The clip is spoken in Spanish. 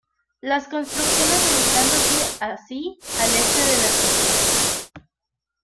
Las construcciones ubicándose así al este de la estación.